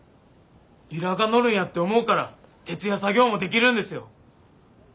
由良が乗るんやって思うから徹夜作業もできるんですよ。